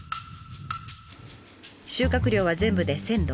収穫量は全部で１，６００ｋｇ。